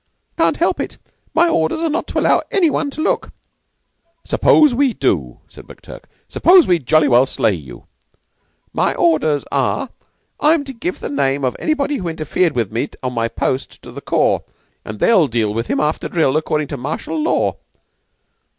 "Can't help it. My orders are not to allow any one to look." "S'pose we do?" said McTurk. "S'pose we jolly well slay you?" "My orders are, I am to give the name of anybody who interfered with me on my post, to the corps, an' they'd deal with him after drill, accordin' to martial law."